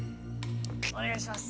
・お願いします。